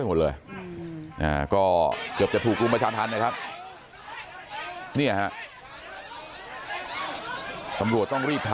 โอ้โหปรากฏว่าย่านผู้ตายชาวบ้านแถวนั้นมาดอก